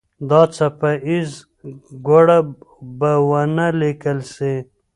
دا څپه ایزه ګړه به ونه لیکل سي.